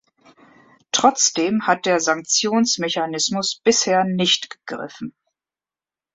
Trotzdem hat der Sanktionsmechanismus bisher nicht gegriffen.